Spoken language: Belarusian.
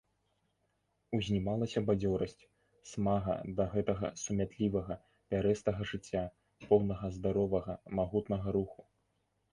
Узнімалася бадзёрасць, смага да гэтага сумятлівага, пярэстага жыцця, поўнага здаровага, магутнага руху.